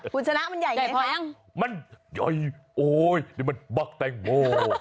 คุณชนะมันใหญ่ใหญ่ไหมมันใหญ่โอ้ยนี่มันบั๊กแตงโม